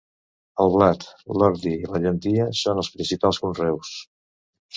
El blat, l'ordi i la llentia són els principals conreus.